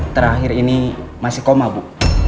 terakhir ini masih koma bu